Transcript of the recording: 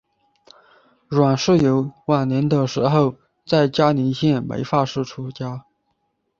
阮氏游晚年的时候在嘉林县梅发寺出家。